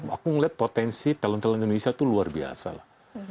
aku ngeliat potensi talent talent indonesia itu luar biasa lah